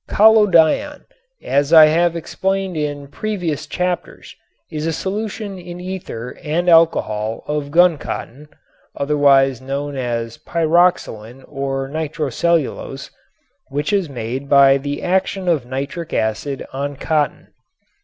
Collodion, as I have explained in previous chapters, is a solution in ether and alcohol of guncotton (otherwise known as pyroxylin or nitrocellulose), which is made by the action of nitric acid on cotton.